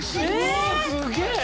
おすげえ！